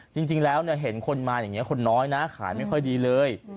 จริงแล้วเห็นคนมาอย่างนี้คนน้อยนะขายไม่ค่อยดีเลย